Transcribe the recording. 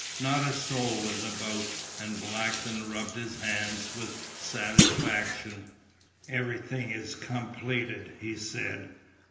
Not a soul was about, and Blackton rubbed his hands with satisfaction. "Everything is completed," he said.